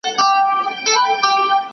هر انسان ارزښت لري.